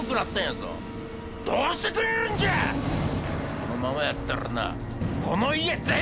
このままやったらな。